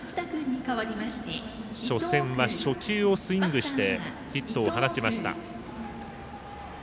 初戦は、初球をスイングしてヒットを放ちました。